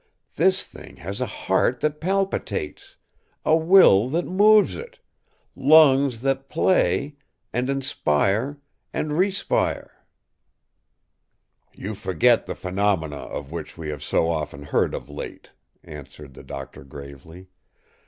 This thing has a heart that palpitates—a will that moves it—lungs that play, and inspire and respire.” “You forget the phenomena of which we have so often heard of late,” answered the doctor gravely.